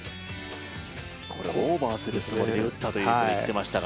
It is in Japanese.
オーバーするつもりで打ったと言っていましたが。